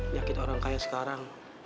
yakin orang kaya sekarang